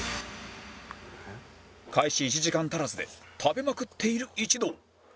開始１時間足らずで食べまくっている一同